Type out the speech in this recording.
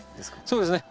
そうですね。